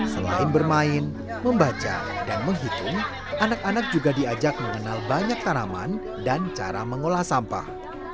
selain bermain membaca dan menghitung anak anak juga diajak mengenal banyak tanaman dan cara mengolah sampah